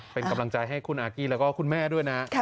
เป็นกำลังใจให้คุณอากี้แล้วก็คุณแม่ด้วยนะ